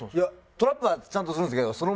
トラップはちゃんとするんですけどそのまま。